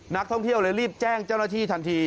นักท่องเที่ยวเลยรีบแจ้งเจ้าหน้าที่ทันที